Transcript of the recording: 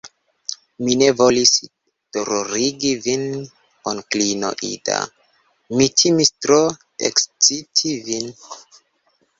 Mi ne volis dolorigi vin, onklino Ida; mi timis tro eksciti vin.